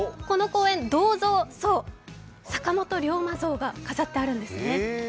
この公園、銅像、坂本龍馬像が飾ってあるんですね。